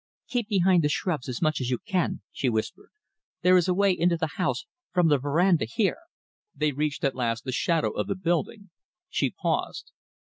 "Keep behind the shrubs as much as you can," she whispered. "There is a way into the house from the verandah here." They reached at last the shadow of the building. She paused.